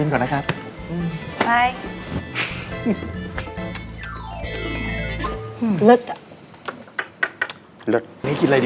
หิวกอเละกินก่อนนะครับ